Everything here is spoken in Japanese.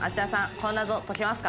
この謎解けますか？